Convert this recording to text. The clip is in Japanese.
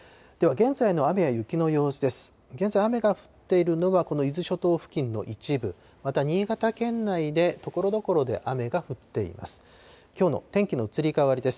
現在、雨が降っているのは、この伊豆諸島付近の一部、また新潟県内でところどころで雨が降っています。